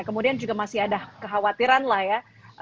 kemudian juga masih ada kekhawatiran lah ya